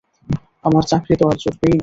আমার চাকরি তো আর জুটবেই না।